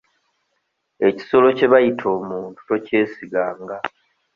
Ekisolo kye bayita omuntu tokyesiganga.